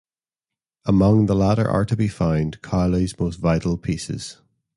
Among the latter are to be found Cowley's most vital pieces.